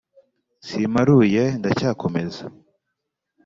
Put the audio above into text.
simparuye ndacyakomeza